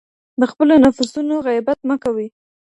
د خپلو نفسونو غيبت مه کوئ.